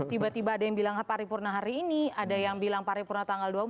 tiba tiba ada yang bilang paripurna hari ini ada yang bilang paripurna tanggal dua puluh empat